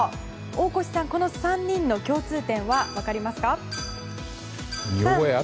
大越さん、この３人の共通点は分かりますか。